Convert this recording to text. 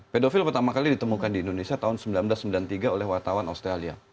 pedofil pertama kali ditemukan di indonesia tahun seribu sembilan ratus sembilan puluh tiga oleh wartawan australia